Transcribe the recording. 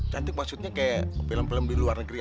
cantik maksudnya kayak film film di luar negeri